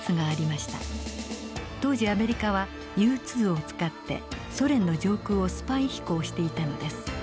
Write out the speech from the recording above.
当時アメリカはＵ２を使ってソ連の上空をスパイ飛行していたのです。